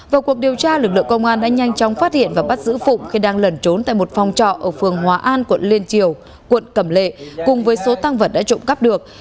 vào cuộc điều tra lực lượng công an đã nhanh chóng phát hiện và bắt giữ phụng khi đang lẩn trốn tại một phòng trọ ở phường hòa an quận liên triều quận cẩm lệ cùng với số tăng vật đã trộm cắp được